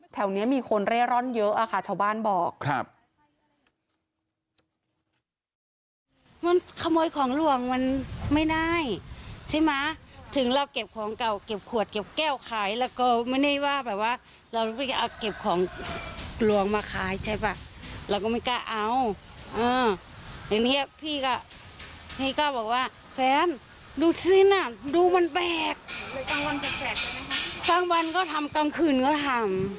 แถวนี้มีคนเร่ร่อนเยอะค่ะชาวบ้านบอก